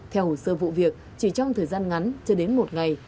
theo hồ sơ vụ việc chỉ trong thời gian ngắn chưa đến một ngày